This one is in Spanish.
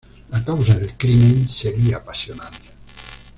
La causa del crimen sería pasional.